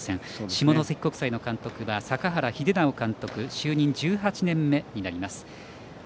下関国際の監督は坂原秀尚監督就任１８年目になります。